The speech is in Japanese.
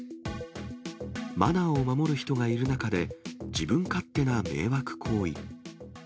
マナーを守る人がいる中で、自分勝手な迷惑行為。